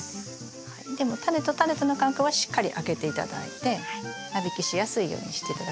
でもタネとタネとの間隔はしっかり空けて頂いて間引きしやすいようにして頂くといいと思います。